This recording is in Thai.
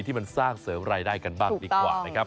ที่มันสร้างเสริมรายได้กันบ้างดีกว่านะครับ